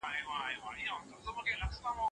هغوی پخوا خپل معلومات له ملګرو سره شریکول.